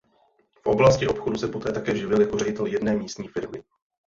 V oblasti obchodu se poté také živil jako ředitel jedné místní firmy.